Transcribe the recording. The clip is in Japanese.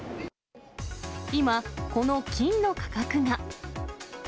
今、この金の価格が。